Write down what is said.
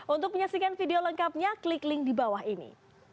untuk menyaksikan video lengkapnya klik link di bawah ini